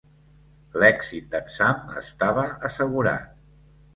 L'èxit d'en Sam estava assegurat.